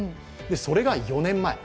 それが４年前。